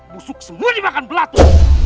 busuk semua dimakan belatu